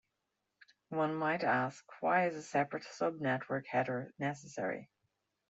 One might ask "why is a separate sub-network header necessary?".